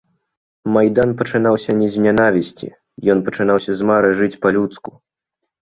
Майдан пачынаўся не з нянавісці, ён пачынаўся з мары жыць па-людску.